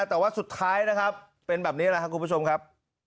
แต่ว่าสุดท้ายนะครับเป็นแบบนี้แหละครับคุณผู้ชมครับ